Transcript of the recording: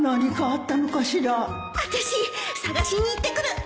あたし捜しに行ってくる